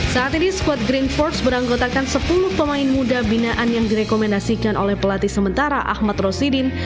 saat ini squad green force beranggotakan sepuluh pemain muda binaan yang direkomendasikan oleh pelatih sementara ahmad rosidin